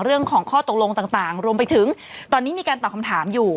เรื่องของข้อตกลงต่างรวมไปถึงตอนนี้มีการตอบคำถามอยู่